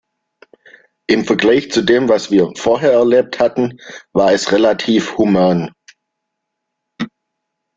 Im Vergleich zu dem, was wir vorher erlebt hatten, war es relativ human.